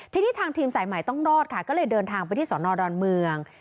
ทีนี้ทางทีมสายใหม่ต้องรอดค่ะก็เลยเดินทางไปที่สอนอดอนเมือง